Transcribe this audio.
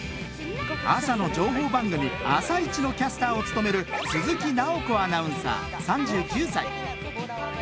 朝の情報番組「あさイチ」のキャスターを務める鈴木奈穂子アナウンサー３９歳。